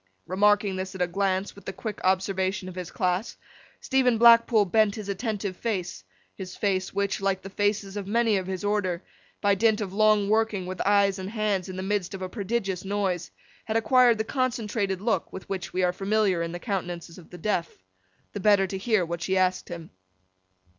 Remarking this at a glance, with the quick observation of his class, Stephen Blackpool bent his attentive face—his face, which, like the faces of many of his order, by dint of long working with eyes and hands in the midst of a prodigious noise, had acquired the concentrated look with which we are familiar in the countenances of the deaf—the better to hear what she asked him.